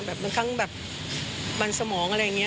แบบมันคลั่งแบบบรรสมองอะไรอย่างนี้